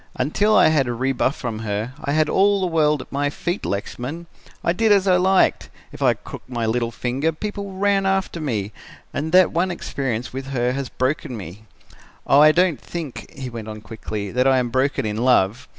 Until I had a rebuff from her, I had all the world at my feet, Lexman. I did as I liked. If I crooked my little finger, people ran after me and that one experience with her has broken me. Oh, don't think,' he went on quickly, 'that I am broken in love.